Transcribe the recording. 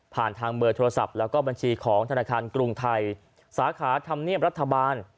ทางเบอร์โทรศัพท์แล้วก็บัญชีของธนาคารกรุงไทยสาขาธรรมเนียมรัฐบาล